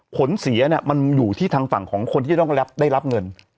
ผลเสียมันอยู่ที่ทางฝั่งของคนที่จะต้องได้รับเงิน